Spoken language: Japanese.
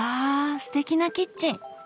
すてきなキッチン！